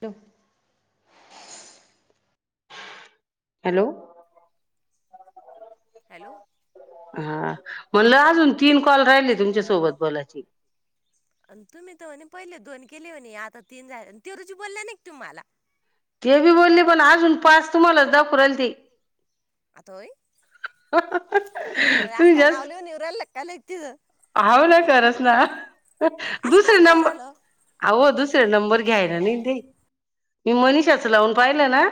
टो [unintelligible] hello. हा म्हणलं अजून तीन कॉल राहिले तुमच्या सोबत बोलायची. तुम्ही तर म्हणे पहिले दोन केले म्हणी. आता तीन झाले तेरुजी बोलल्या तुम्ही माला. ते मी बोलले पण अजून पाच तुम्हालाच दाखू रायल ते. आतावबय. तुम्ही जास्त [unintelligible] हाव ना खरस ना. दुसरे नंबर आहो दुसरे नंबर घ्यायला नाही ते. मी मनषाच लावून पाहिलं ना,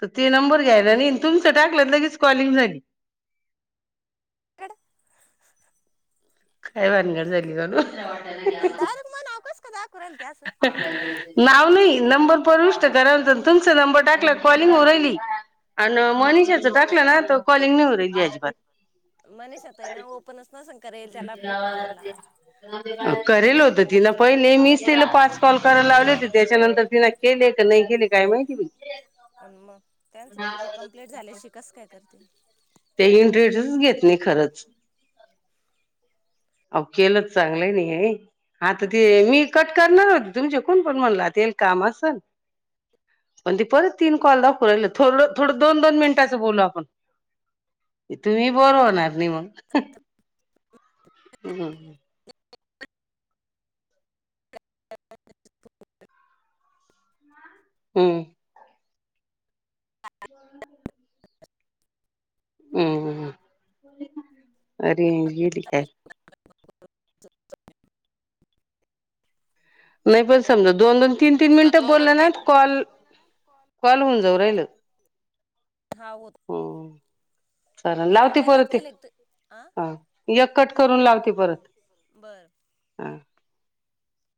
त ते नंबर घ्यायला नाही. तुमचं टाकलं त लगेच कॉलिंग झाली. ड [unintelligible] अन डायरेक्ट महा नाव कस कय दाखू रायल ते असं? नाव नाही. नंबर परवीष्ट करा म्हणतन. तुमचा नंबर टाकला का कॉलिंग होउ रहिली. हा. मनिषाचा टाकला ना त कॉलिंग नाही होउ रहिली अजीबात. मणेषा ताईन ओपनच नस करेल त्याला अपडेट माराला करेल होत ति ना पहिले मीच मीच तिला पाच कॉल करायला लावले होते त्याच्यानंतर तिने केले क नाही केले काय माहिती? अन् मग त्यांचं पूर कंप्लीट झाल्या शिकस काय करतील? ते इंट्रेसच घेत नाही खरंच. अव केलंच चांगलंय नाहीयाय. आता ते मी कट करणार होते तुमचे कोण पण म्हणला तेल काम असल. पण ती परत तीन कॉल दाखवून राहिलं थोल थोडं दोन - दोन मिनटाचं बोलू आपण. की तुम्ही बोर होणार नाही मग. हम्म ह [unintelligible] हम्म. [unintelligible] हम् रेंज गेली काय? नाही पण समजा दोन -दोन तीन -तीन मिनिटं बोलल ना कॉल -कॉल होऊन जाऊ राहिलं. हा होत. हम्म. चला लावती परत ते. हा एक कट करून लावती परत. हां.